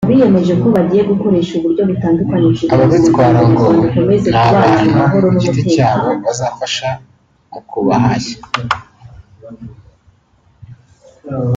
ababitwara ngo ni abantu ku giti cyabo bazafasha mu kubahashya